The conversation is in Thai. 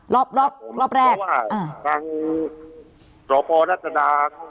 รอบรอบรอบแรกอ่าโรยะโนะคะ